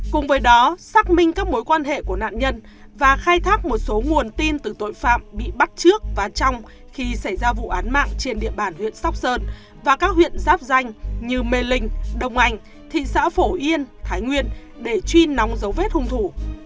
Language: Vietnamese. cùng với đó xác minh các mối quan hệ của nạn nhân và khai thác một số nguồn tin từ tội phạm bị bắt trước và trong khi xảy ra vụ án mạng trên địa bàn huyện sóc sơn và các huyện giáp danh như mê linh đông anh thị xã phổ yên thái nguyên để truy nóng dấu vết hung thủ